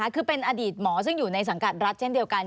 คือเป็นอดีตหมอซึ่งอยู่ในสังกัดรัฐเช่นเดียวกัน